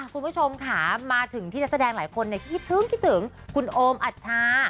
คุณผู้ชมค่ะมาถึงที่นักแสดงหลายคนคิดถึงคิดถึงคุณโอมอัชชา